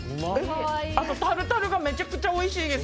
あとタルタルがめちゃくちゃおいしいです！